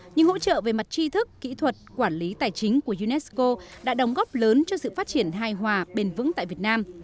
những hỗ trợ về mặt tri thức kỹ thuật quản lý tài chính của unesco đã đóng góp lớn cho sự phát triển hài hòa bền vững tại việt nam